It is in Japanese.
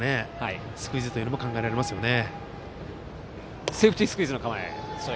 スクイズというのも考えられますよね。